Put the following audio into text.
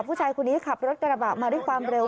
ผู้ชายคนนี้ขับรถกระบะมาด้วยความเร็ว